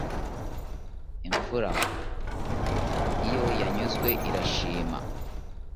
imfura iyo yanyuzwe irashima